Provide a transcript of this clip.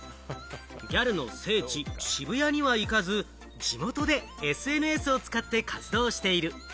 ギャルの聖地・渋谷には行かず、地元でＳＮＳを使って活動している。